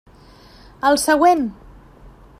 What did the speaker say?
El següent!